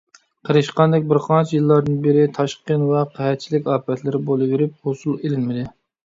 قېرىشقاندەك بىر قانچە يىللاردىن بېرى تاشقىن ۋە قەھەتچىلىك ئاپەتلىرى بولىۋېرىپ، ھوسۇل ئېلىنمىدى.